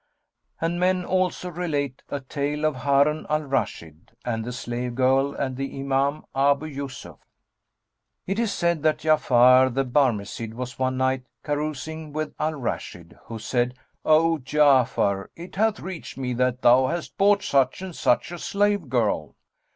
[FN#215] And men also relate a TALE OF HARUN AL RASHID AND THE SLAVE GIRL AND THE IMAM ABU YUSUF. It is said that Ja'afar the Barmecide was one night carousing with Al Rashid, who said, "O Ja'afar, it hath reached me that thou hast bought such and such a slave girl.